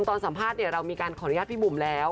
ตอนสัมภาษณ์เรามีการขออนุญาตพี่บุ๋มแล้ว